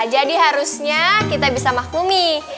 jadi harusnya kita bisa maklumi